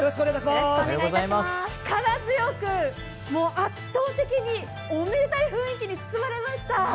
力強く、もう圧倒的におめでたい雰囲気に包まれました。